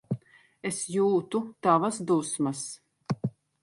Es jūtu tavas dusmas.